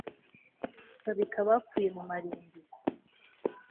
babika abapfuye mu marimbi